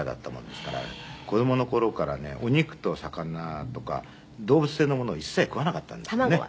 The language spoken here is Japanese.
子供の頃からねお肉と魚とか動物性のものを一切食わなかったんですね。